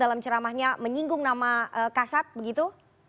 dalam ceramahnya menyinggung nama kasat begitu